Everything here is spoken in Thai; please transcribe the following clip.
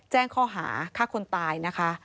แจ้งข้อหาฆ่าคนตาย